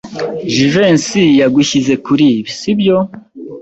Jivency yagushyize kuri ibi, sibyo?